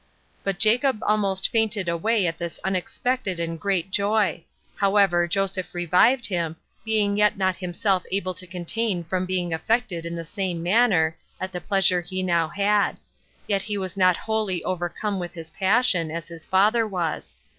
But Jacob almost fainted away at this unexpected and great joy; however, Joseph revived him, being yet not himself able to contain from being affected in the same manner, at the pleasure he now had; yet was he not wholly overcome with his passion, as his father was.